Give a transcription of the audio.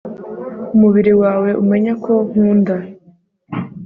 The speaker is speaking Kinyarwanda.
Umubiri wawe umenye ko nkunda